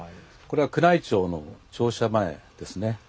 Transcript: これは宮内庁の庁舎前ですね。